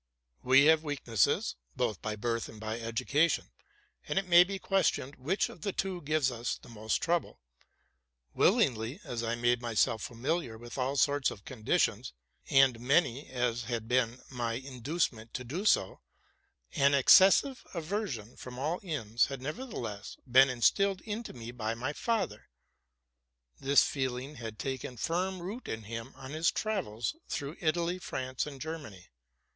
We have weaknesses, both by birth and by education ; and it may be questioned which of the two gives us the mest 264 TRUTH AND FICTION trouble. Willingly as I made myself familiar with all sorts of conditions, and many as had been my inducements to do so, an excessive aversion from all inns had nevertheless been instilled into me by my father. This feeling had taken firm root in him on his travels through Italy, France, and Ger many.